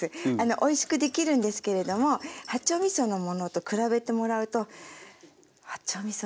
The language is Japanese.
おいしくできるんですけれども八丁みそのものと比べてもらうと八丁みそ